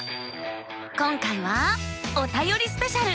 今回は「おたよりスペシャル」。